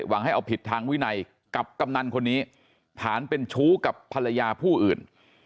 ให้เอาผิดทางวินัยกับกำนันคนนี้ฐานเป็นชู้กับภรรยาผู้อื่น